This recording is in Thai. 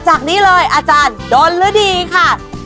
จากนี้เลยอาจารย์โดนหรือดีคะ